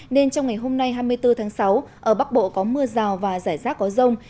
nên trong ngày hôm nay hai mươi bốn tháng sáu ở bắc bộ có mưa rào và rải rác có rông